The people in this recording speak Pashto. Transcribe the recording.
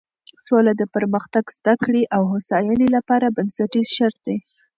سوله د پرمختګ، زده کړې او هوساینې لپاره بنسټیز شرط دی.